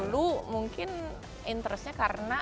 kalau dulu mungkin interestnya karena